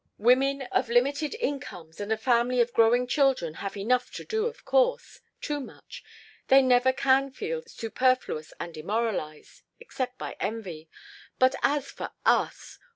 Women of limited incomes and a family of growing children have enough, to do, of course too much they never can feel superfluous and demoralized except by envy but as for us!